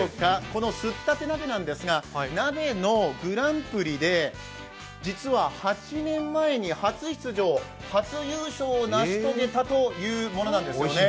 このすったて鍋なんですが鍋のグランプリで実は８年前に初出場、初優勝を成し遂げたんですね。